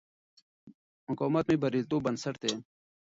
مقاومت مې د بریالیتوب بنسټ دی.